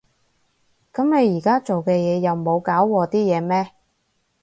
噉你而家做嘅嘢又冇搞禍啲嘢咩？